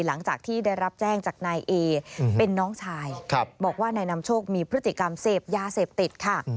หลังจากที่ได้รับแจ้งจากนายเอเป็นน้องชายบอกว่านายนำโชคมีพฤติกรรมเสพยาเสพติดค่ะ